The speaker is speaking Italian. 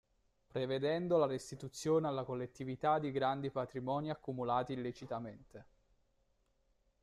Prevedendo la restituzione alla collettività di grandi patrimoni accumulati illecitamente.